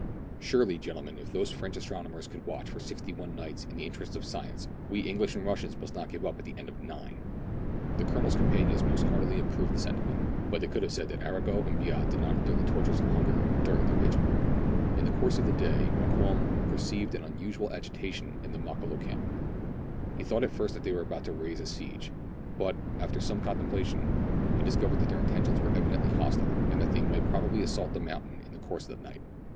Surely, gentlemen, if those French astronomers could watch for sixty one nights in the interests of science, we English and Russians must not give up at the end of nine." The Colonel's companions most heartily approved the sentiment ; but they could have said that Arago and Biot did not endure the tortures of hunger during their long vigil. In the course of the day Mokoum perceived an unusual agitation in the Makololo camp. He thought at first that THREE ENGLISHMEN AND THREE RUSSIANS. 203 they were about to raise the siege, but, after some contem plation, he discovered that their intentions were evidently hostile, and that they would probably assault the mountain in the course of the night.